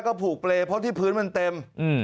ก็ผูกเปรย์เพราะที่พื้นมันเต็ม